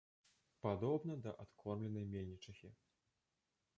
Падобна да адкормленай мельнічыхі.